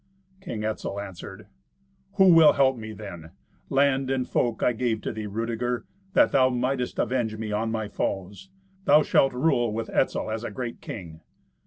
King Etzel answered, "Who will help me then? Land and folk I gave to thee, Rudeger, that thou mightest avenge me on my foes. Thou shalt rule with Etzel as a great king."